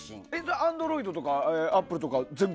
Ａｎｄｒｏｉｄとかアップルとか全部？